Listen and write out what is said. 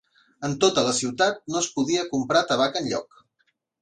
En tota la ciutat no es podia comprar tabac enlloc